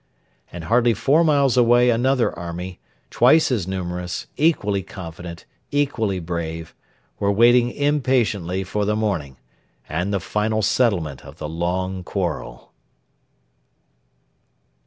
And hardly four miles away another army twice as numerous, equally confident, equally brave were waiting impatiently for the morning and the final settlement of the long quarrel.